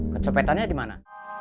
kecopetannya di mana